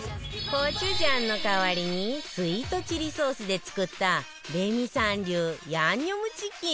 コチュジャンの代わりにスイートチリソースで作ったレミさん流ヤンニョムチキン